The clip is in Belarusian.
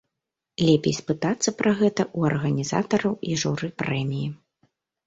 Лепей спытацца пра гэта ў арганізатараў і журы прэміі.